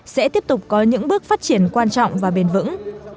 sẽ tiếp tục có những bước phát triển quan trọng và bền vững